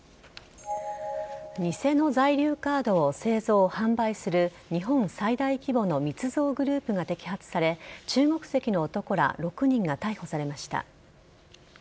偽の在留カードを製造、販売する日本最大規模の密造グループが摘発され中国籍の男ら６人が逮捕されました。